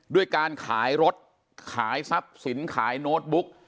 ด้วยการขายรถขายทรัพย์สินขายโน้ตบุ๊ก